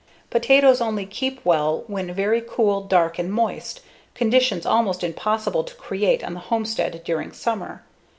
Potatoes only keep well when very cool, dark, and moist conditions almost impossible to create on the homestead during summer.